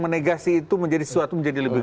menegasi itu menjadi sesuatu menjadi lebih